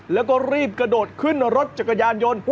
แล้วก็รีบกระโดดขึ้นรถจักรยานยนต์